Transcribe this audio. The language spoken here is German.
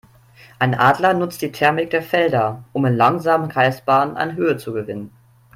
Ein Adler nutzt die Thermik der Felder, um in langsamen Kreisbahnen an Höhe zu gewinnen.